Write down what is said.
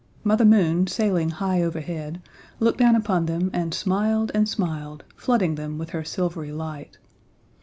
Mother Moon, sailing high overhead, looked down upon them and smiled and smiled, flooding them with her silvery light.